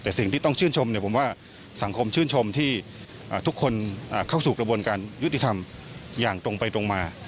แต่สิ่งที่ต้องชื่นชมผมว่าสังคมชื่นชมที่ทุกคนเข้าสู่กระบวนการยุติธรรมอย่างตรงไปตรงมา